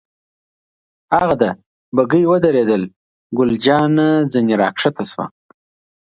هاغه ده، بګۍ ودرېدل، ګل جانې ځنې را کښته شوه.